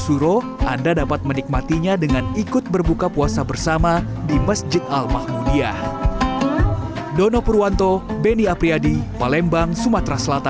suro anda dapat menikmatinya dengan ikut berbuka puasa bersama di masjid al mahmudiyah